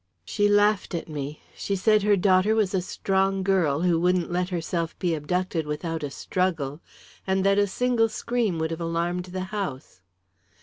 "She laughed at me. She said her daughter was a strong girl, who wouldn't let herself be abducted without a struggle, and that a single scream would have alarmed the house."